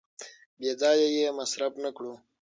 بې ځایه یې مصرف نه کړو.